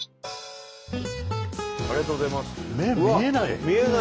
ありがとうございます。